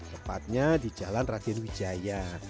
tepatnya di jalan raden wijaya